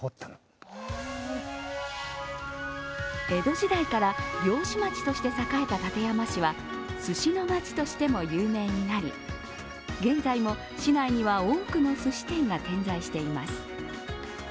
江戸時代から漁師町として栄えた館山市は鮨のまちとしても有名になり現在も市内には多くのすし店が点在しています。